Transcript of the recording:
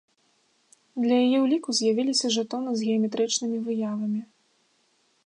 Для яе ўліку з'явіліся жэтоны з геаметрычнымі выявамі.